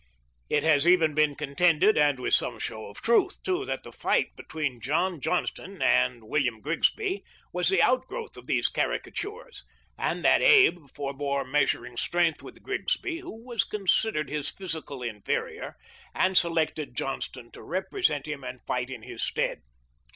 It has even been contended, and with some show of truth too, that the fight between John Johnston and William Grigsby was the outgrowth of these caricatures, and that • Abe forebore measuring strength with Grigsby, who was considered his phys ical inferior, and selected Johnston to represent him and fight in his stead.